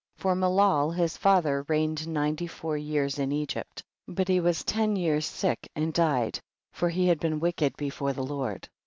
3. For Melol his father reigned ninety four years in Egypt, but he was ten years sick and died, for he had been wicked before the Lord.